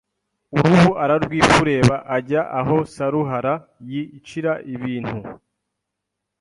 Uruhu ararwifureba Ajya aho Saruharay icira ibintu